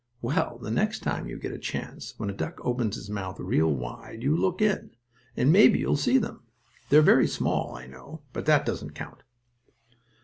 Well, the next time you get a chance, when a duck opens his mouth real wide, you look in, and maybe you'll see them. They're very small, I know, but that doesn't count.